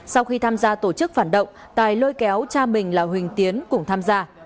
sau khi tham gia tổ chức phản động tài lôi kéo cha mình là huỳnh tiến cùng tham gia